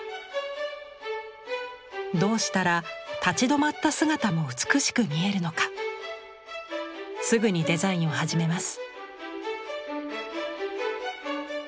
どうしたら立ち止まった姿も美しく見えるのかすぐにデザインを始めます。